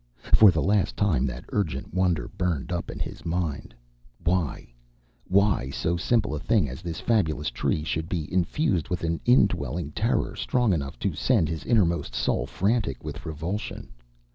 For the last time that urgent wonder burned up in his mind why why so simple a thing as this fabulous Tree should be infused with an indwelling terror strong enough to send his innermost soul frantic with revulsion.